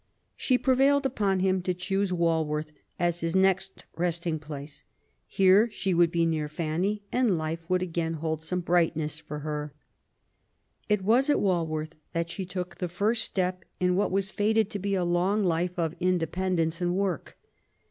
She prevailed upon him to choose Walworth as his next resting place. Here she would be near Fanny^ and life would again hold some brightness for her. It was at Walworth that she took the first step in what was fated to be a long life of independence and work.